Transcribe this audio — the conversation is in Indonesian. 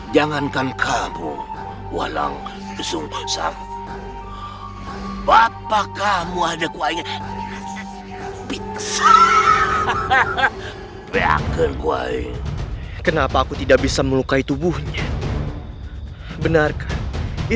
jangan lupa like share dan subscribe channel ini